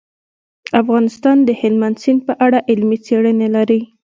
افغانستان د هلمند سیند په اړه علمي څېړنې لري.